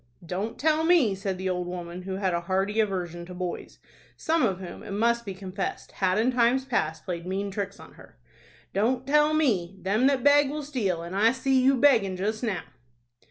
"Don't tell me," said the old woman, who had a hearty aversion to boys, some of whom, it must be confessed, had in times past played mean tricks on her; "don't tell me! Them that beg will steal, and I see you beggin' just now."